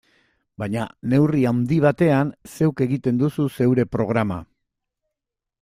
Baina neurri handi batean, zeuk egiten duzu zeure programa.